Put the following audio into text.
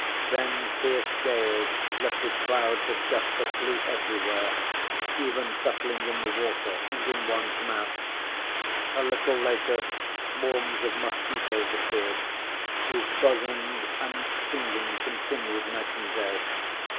Then fierce gales lifted clouds of dust that blew everywhere, even settling in the water and in one's mouth. A little later swarms of mosquitoes appeared, whose buzzing and stinging continued night and day.